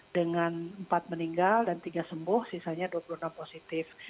dengan empat meninggal dan tiga sembuh sisanya dua puluh enam positif